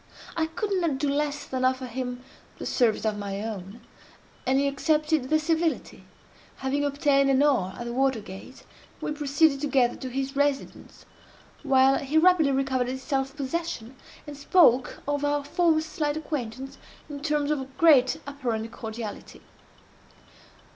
I could not do less than offer him the service of my own; and he accepted the civility. Having obtained an oar at the water gate, we proceeded together to his residence, while he rapidly recovered his self possession, and spoke of our former slight acquaintance in terms of great apparent cordiality.